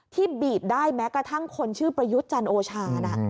ที่บีบได้แม้กระทั้งคนชื่อประยุทธิ์จันโอชาร่ะ